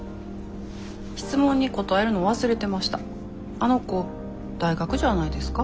あの子大学じゃないですか？